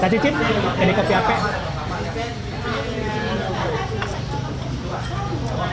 saya cicip kedai kopi apek